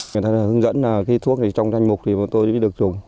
người ta hướng dẫn là cái thuốc này trong danh mục thì tôi mới được dùng